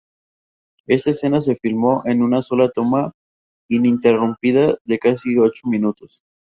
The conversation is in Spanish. Esta escena se filmó en una sola toma ininterrumpida de casi ocho minutos.